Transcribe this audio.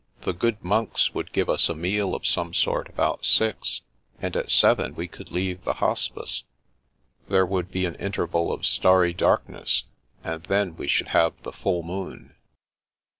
The good monks would give us a meal of some sort about six, and at seven we could leave the Hospice. There would be an interval of starry darkness, and then we should have the full moon."